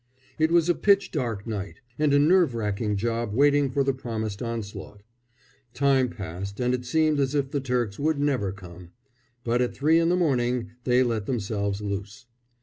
It was a pitch dark night, and a nerve racking job waiting for the promised onslaught. Time passed and it seemed as if the Turks would never come; but at three in the morning they let themselves loose.